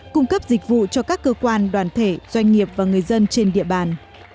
cung cấp dịch vụ cho các cơ quan đoàn thể doanh nghiệp và người dân trên địa bàn